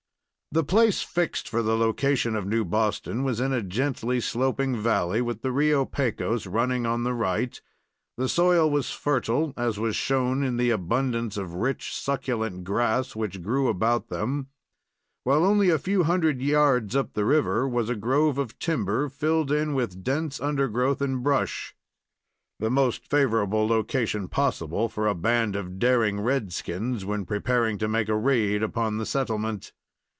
The place fixed for the location of New Boston was in a gently sloping valley, with the Rio Pecos running on the right. The soil was fertile, as was shown in the abundance of rich, succulent grass which grew about them, while, only a few hundred yards up the river, was a grove of timber, filled in with dense undergrowth and brush the most favorable location possible for a band of daring red skins, when preparing to make a raid upon the settlement.